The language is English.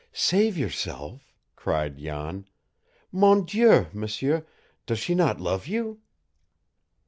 "Save yourself!" cried Jan. "Mon Dieu, m'sieur does she not love you?"